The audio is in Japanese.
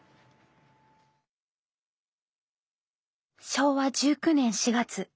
昭和１９年４月。